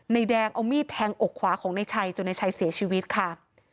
แดงเอามีดแทงอกขวาของนายชัยจนในชัยเสียชีวิตค่ะ